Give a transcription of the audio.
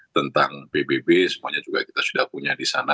hal yang bbb semuanya juga kita sudah punya di sana